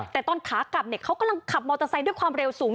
แต่ตอนขากลับเขากำลังขับมอเตอร์ไซค์ด้วยความเร็วสูง